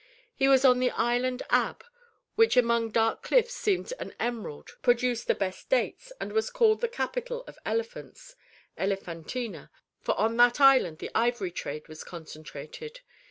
He was on the island Ab, which among dark cliffs seemed an emerald, produced the best dates, and was called the Capital of Elephants, Elephantina, for on that island the ivory trade was concentrated.